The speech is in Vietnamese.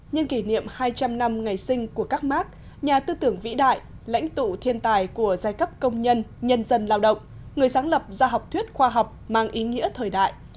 nhân kỷ niệm hai trăm linh năm ngày sinh của các mark nhà tư tưởng vĩ đại lãnh tụ thiên tài của giai cấp công nhân nhân dân lao động người sáng lập ra học thuyết khoa học mang ý nghĩa thời đại